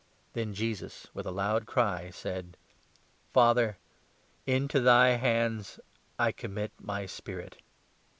Then Jesus, with a loud cry, said : 46 " Father, into thy hands I commit my spirit."